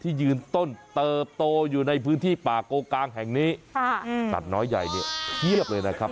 ที่ยืนต้นเติบโตอยู่ในพื้นที่ป่าโกงกางแห่งนี้ตัดน้อยใหญ่เคียบเลยนะครับ